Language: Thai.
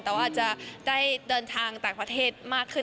แต่ว่าอาจจะได้เดินทางต่างประเทศมากขึ้น